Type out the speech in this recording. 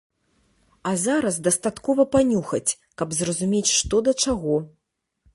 А зараз дастаткова панюхаць, каб зразумець, што да чаго.